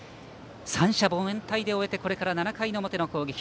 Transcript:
三者凡退で終えてこれから７回の表の攻撃。